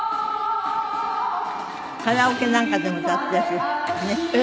カラオケなんかでも歌っているしねえ。